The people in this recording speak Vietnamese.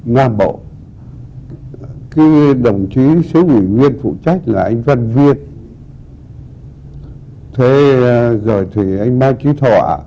nguyên cổ cái đồng chí xứ ủy nguyên phụ trách là anh văn viên thế rồi thì anh mai chí thọ